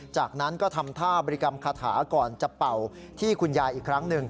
จากนั้นก็ทำท่าบริกรรมคาถาก่อนจะเป่าที่คุณยายอีกครั้งหนึ่ง